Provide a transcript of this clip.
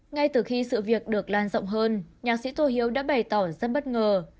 ngay từ khi sự việc được lan rộng hơn nhạc sĩ tô hiếu đã bày tỏ rất bất ngờ